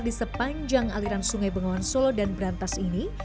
di sepanjang aliran sungai bengawan solo dan berantas ini